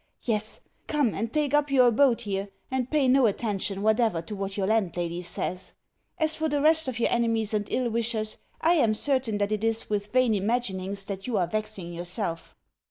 Yes, come and take up your abode here, and pay no attention whatever to what your landlady says. As for the rest of your enemies and ill wishers, I am certain that it is with vain imaginings that you are vexing yourself....